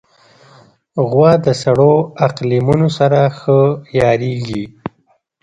غوا د سړو اقلیمونو سره ښه عیارېږي.